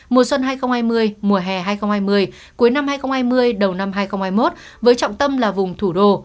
mùa xuân hai nghìn hai mươi mùa hè hai nghìn hai mươi cuối năm hai nghìn hai mươi đầu năm hai nghìn hai mươi một với trọng tâm là vùng thủ đô